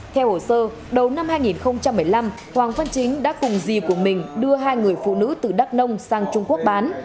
theo hồ sơ đầu năm hai nghìn một mươi năm hoàng văn chính đã cùng dì của mình đưa hai người phụ nữ từ đắk nông sang trung quốc bán